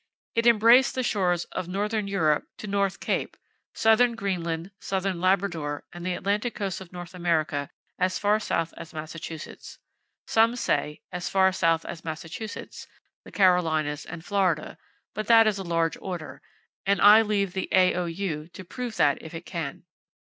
It embraced the shores of northern Europe to North Cape, southern Greenland, southern Labrador, and the Atlantic coast of North America as far south as Massachusetts. Some say, "as far south as Massachusetts, the Carolinas and Florida," but that is a large order, and I leave the A.O.U. to prove that if it can.